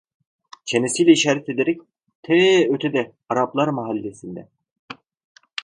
Çenesiyle işaret ederek: "Tee ötede, Araplar Mahallesi'nde!"